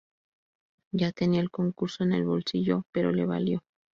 Ya tenía el concurso en el bolsillo, pero le valió.